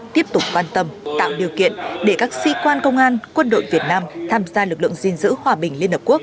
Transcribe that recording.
tiếp tục quan tâm tạo điều kiện để các sĩ quan công an quân đội việt nam tham gia lực lượng gìn giữ hòa bình liên hợp quốc